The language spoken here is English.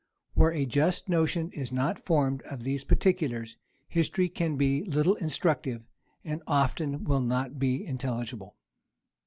Where a just notion is not formed of these particulars, history can be little instructive, and often will not be intelligible.